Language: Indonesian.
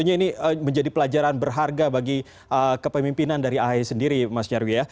ini menjadi pelajaran berharga bagi kepemimpinan dari ahy sendiri mas nyarwi ya